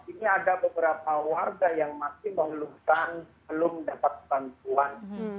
ini ada beberapa warga yang masih mengeluhkan belum dapat bantuan